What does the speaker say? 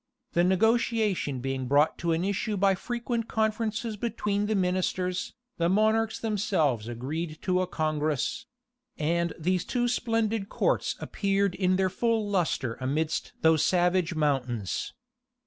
The negotiation being brought to an issue by frequent conferences between the ministers, the monarchs themselves agreed to a congress; and these two splendid courts appeared in their full lustre amidst those savage mountains.